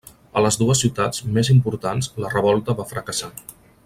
A les dues ciutats més importants la revolta va fracassar.